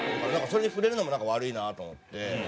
それに触れるのもなんか悪いなと思って。